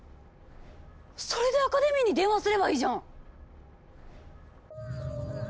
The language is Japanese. それでアカデミーに電話すればいいじゃん！